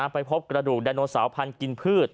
ไปพบกระดูกไดโนเสาร์พันธุ์กินพืช